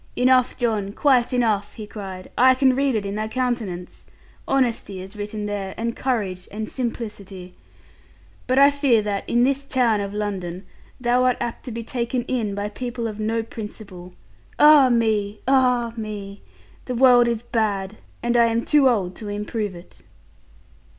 'Enough, John; quite enough,' he cried, 'I can read it in thy countenance. Honesty is written there, and courage and simplicity. But I fear that, in this town of London, thou art apt to be taken in by people of no principle. Ah me! Ah me! The world is bad, and I am too old to improve it.'